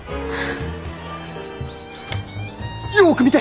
よく見て！